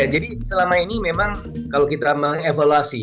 jadi selama ini memang kalau kita meng evaluasi